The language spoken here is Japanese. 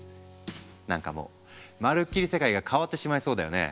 何かもうまるっきり世界が変わってしまいそうだよね。